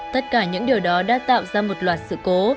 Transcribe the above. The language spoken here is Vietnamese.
tất cả những điều đó đã tạo ra một loạt sự cố